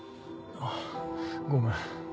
あごめん。